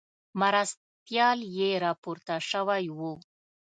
مرستیال یې راپورته شوی وو.